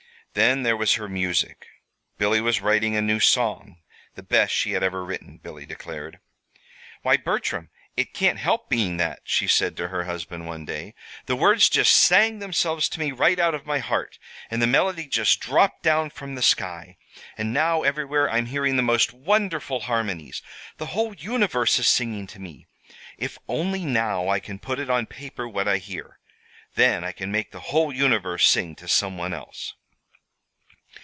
Then there was her music: Billy was writing a new song the best she had ever written, Billy declared. "Why, Bertram, it can't help being that," she said to her husband, one day. "The words just sang themselves to me right out of my heart; and the melody just dropped down from the sky. And now, everywhere, I'm hearing the most wonderful harmonies. The whole universe is singing to me. If only now I can put it on paper what I hear! Then I can make the whole universe sing to some one else!"